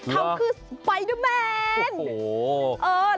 เขาคือไปเดอร์แมน